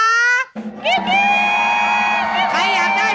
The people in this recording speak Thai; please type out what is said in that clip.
เพียบเนียน